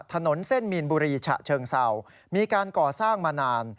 ถนนเส้นมีนบุรีฉะเชิงเศร้ามีการก่อสร้างมานาน